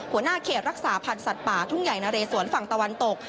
หัวหน้าเขตรักษาพันธ์สัตว์ป่าทุ่งใหญ่นะเรสวนฝั่งตะวันตก